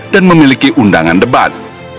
dan memiliki undangan debat